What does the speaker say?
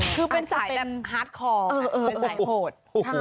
คือเป็นสายแทนฮาร์ดคอลค่ะโหด